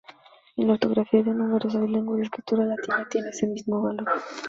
En la ortografía de numerosas lenguas de escritura latina, tiene ese mismo valor.